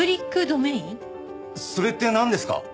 それってなんですか？